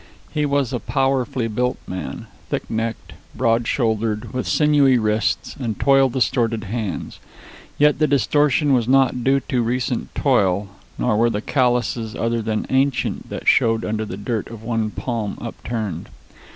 He was a powerfully built man, thick necked, broad shouldered, with sinewy wrists and toil distorted hands. Yet the distortion was not due to recent toil, nor were the callouses other than ancient that showed under the dirt of the one palm upturned.